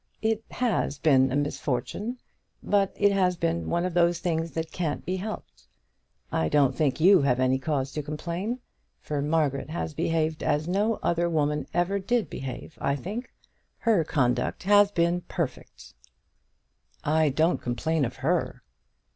"It has been a misfortune, but it has been one of those things that can't be helped. I don't think you have any cause to complain, for Margaret has behaved as no other woman ever did behave, I think. Her conduct has been perfect." "I don't complain of her."